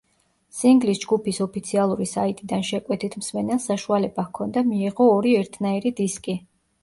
სინგლის ჯგუფის ოფიციალური საიტიდან შეკვეთით მსმენელს საშუალება ჰქონდა, მიეღო ორი ერთნაირი დისკი.